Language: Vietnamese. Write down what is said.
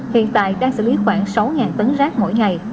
hiện tại đang xử lý khoảng sáu tấn rác mỗi ngày